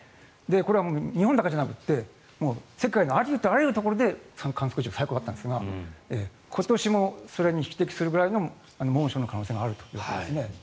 これは日本だけじゃなくて世界のありとあらゆるところで観測史上最高だったんですが今年もそれに匹敵するぐらいの猛暑の可能性があるということですね。